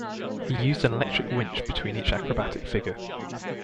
He used an electric winch between each acrobatic figure.